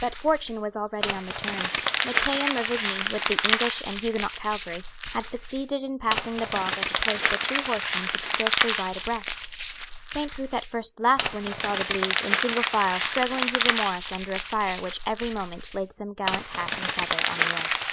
But fortune was already on the turn. Mackay and Ruvigny, with the English and Huguenot cavalry, had succeeded in passing the bog at a place where two horsemen could scarcely ride abreast. Saint Ruth at first laughed when he saw the Blues, in single file, struggling through the morass under a fire which every moment laid some gallant hat and feather on the earth.